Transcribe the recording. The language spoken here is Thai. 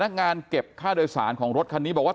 งานเก็บค่าโดยสารของรถคันนี้บอกว่า